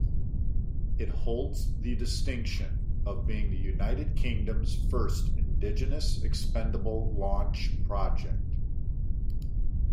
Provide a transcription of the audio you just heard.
It holds the distinction of being the United Kingdom's first indigenous expendable launch project.